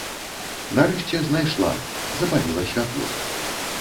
Нарэшце знайшла, запаліла святло.